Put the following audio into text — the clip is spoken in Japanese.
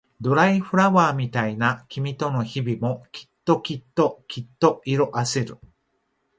ドライフラワーみたい君との日々もきっときっときっと色あせる